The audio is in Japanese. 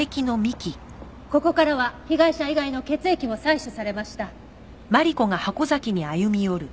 ここからは被害者以外の血液も採取されました。